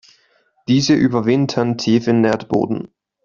Diese überwintern tief im Erdboden.